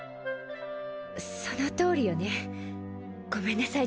そのとおりよねごめんなさい